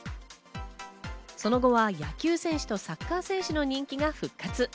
その後は野球選手とサッカー選手の人気が復活。